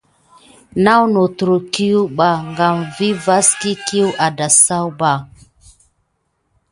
Naku nat trote mohhorkiwa ɓa kam vas kiyu a dasayu ɓa.